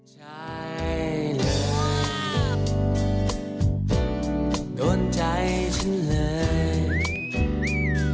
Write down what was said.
ใช่เลยโดนใจฉันเลย